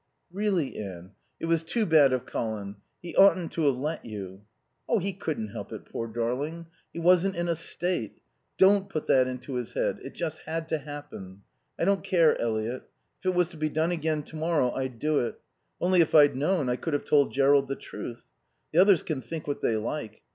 "Really, Anne, it was too bad of Colin. He oughtn't to have let you." "He couldn't help it, poor darling. He wasn't in a state. Don't put that into his head. It just had to happen... I don't care, Eliot. If it was to be done again to morrow I'd do it. Only, if I'd known, I could have told Jerrold the truth. The others can think what they like.